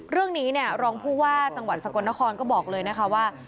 เรื่องนี้เนี่ยรองผู้ว่าจังหวัดสกลนครก็บอกเลยนะคะว่า